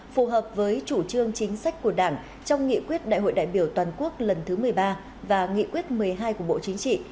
phù hợp với chủ trương chính sách của đảng trong nghị quyết đại hội đại biểu toàn quốc lần thứ một mươi ba và nghị quyết một mươi hai của bộ chính trị